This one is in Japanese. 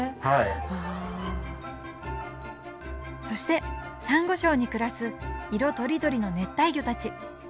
そしてサンゴ礁に暮らす色とりどりの熱帯魚たち。